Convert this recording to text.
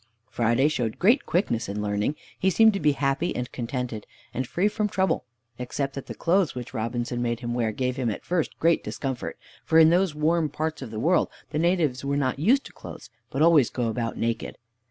Friday showed great quickness in learning. He seemed to be happy and contented, and free from trouble, except that the clothes which Robinson made him wear gave him at first great discomfort, for in those warm parts of the world the natives are not used to clothes, but always go about naked.